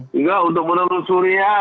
jika untuk menurut suria